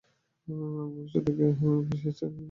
ভূপৃষ্ঠ স্তরকে বলা হয় ভূত্বক।